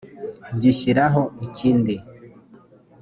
gishyiraho ikindi